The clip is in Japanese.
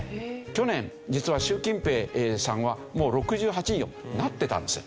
去年実は習近平さんはもう６８になってたんです。